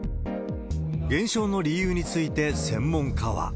減少の理由について専門家は。